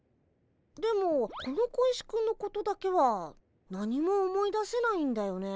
でもこの小石くんのことだけは何も思い出せないんだよね。